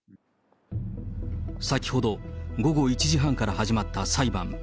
先ほど午後１時半から始まった裁判。